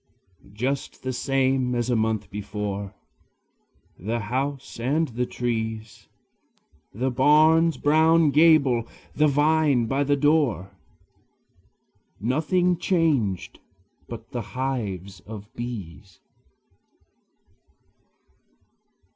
Just the same as a month before, The house and the trees, The barn's brown gable, the vine by the door, Nothing changed but the hives of bees.